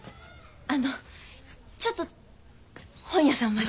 あのちょっと本屋さんまで。